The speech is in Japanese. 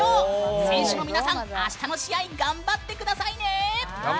選手の皆さん、あしたの試合頑張ってくださいね！